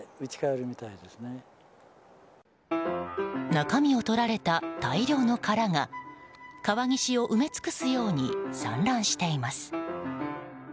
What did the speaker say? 中身をとられた大量の殻が川岸を埋め尽くすように散乱しています。